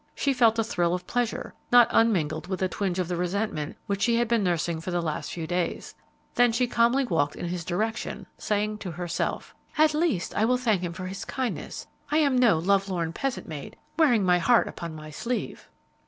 She felt a thrill of pleasure, not unmingled with a twinge of the resentment which she had been nursing for the last few days. Then she walked calmly in his direction, saying to herself, "At least, I will thank him for his kindness. I am no love lorn peasant maid wearing my heart upon my sleeve!"